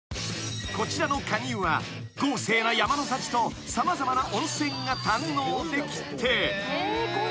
［こちらの加仁湯は豪勢な山の幸と様々な温泉が堪能できて］